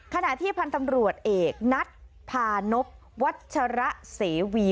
ขณะที่พันธ์ตำรวจเอกนัทพานพวัชระเสวี